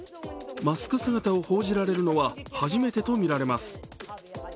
マスク姿を報じられるのは初めてとみられます。